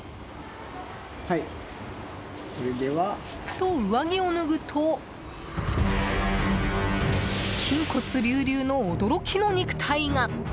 と、上着を脱ぐと筋骨隆々の驚きの肉体が！